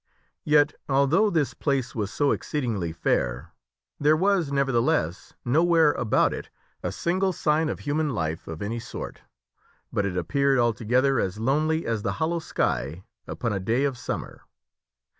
, Yet, although this place comethtoa was so exceedingly fair, there was, nevertheless, nowhere strange land. a b ou t it a single sign of human life of any sort, but it appeared altogether as lonely as the hollow sky upon a day of summer.